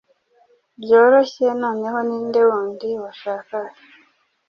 byoroshye noneho ninde wundi washakaga